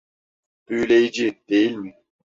Büyüleyici, değil mi?